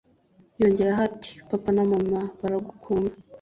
yongeraho ati “ Papa na mama baragukunda